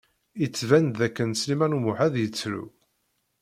Yettban d akken Sliman U Muḥ ad yettru.